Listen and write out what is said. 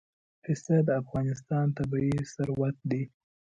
پسه د افغانستان طبعي ثروت دی.